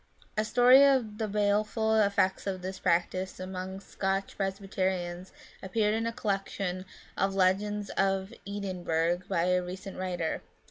A story of the baleful effects of this practice among Scotch Presbyterians appeared in a collection of Legends of Edinburgh by a recent writer.